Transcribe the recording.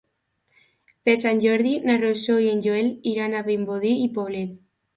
Per Sant Jordi na Rosó i en Joel iran a Vimbodí i Poblet.